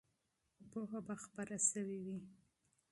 پوهه به خپره سوې وي.